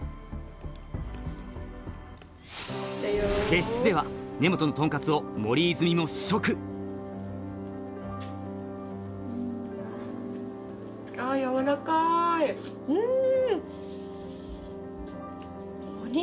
別室では根本のとんかつを森泉も試食あっ軟らかいうーん